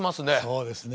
そうですね。